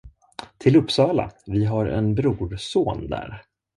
Till Uppsala, vi har en brorson där.